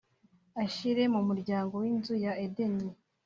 ashire mu muryango w’inzu ya Edeni